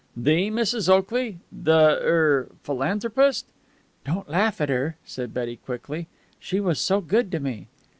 "The Mrs. Oakley? The er philanthropist?" "Don't laugh at her," said Betty quickly. "She was so good to me!"